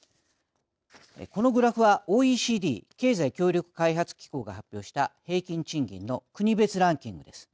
このグラフはＯＥＣＤ＝経済協力開発機構が発表した平均賃金の国別ランキングです。